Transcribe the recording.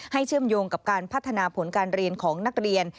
เชื่อมโยงกับการพัฒนาผลการเรียนของนักเรียน